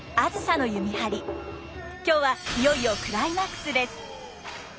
今日はいよいよクライマックスです。